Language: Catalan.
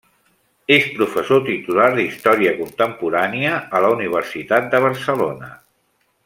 És professor titular d'història contemporània a la Universitat de Barcelona.